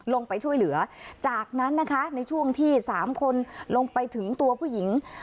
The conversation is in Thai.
ลงไปช่วยเหลือจากนั้นนะคะในช่วงที่๓คนลงไปถึงตัวผู้หญิง